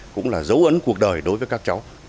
cũng là dấu ấn cuộc đời đối với các cháu